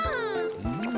うん。